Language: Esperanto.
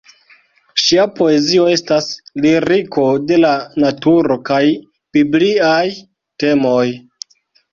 Ŝia poezio estas liriko de la naturo kaj bibliaj temoj.